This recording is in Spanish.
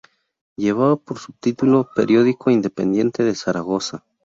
Llevaba por subtítulo "Periódico independiente de Zaragoza".